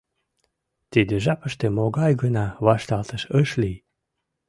Тиде жапыште могай гына вашталтыш ыш лий.